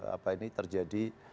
apa ini terjadi